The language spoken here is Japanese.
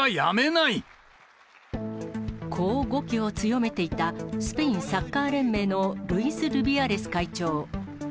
こう語気を強めていた、スペインサッカー連盟のルイス・ルビアレス会長。